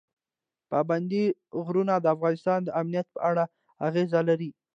پابندي غرونه د افغانستان د امنیت په اړه اغېز لري.